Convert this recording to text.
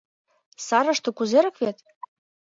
Сарыште кузерак вет?